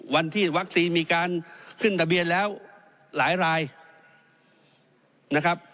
วันที่วัคซีนมีการขึ้นทะเบียนแล้วหลายรายนะครับ